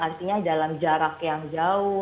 artinya dalam jarak yang jauh